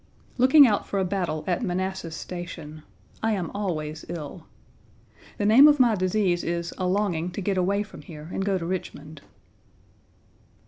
Looking out for a battle at Manassas Station. I am always ill. The name of my disease is a longing to get away from here and to go to Richmond.